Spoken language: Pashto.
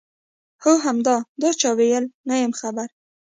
هو همدا، دا چا ویلي؟ نه یم خبر.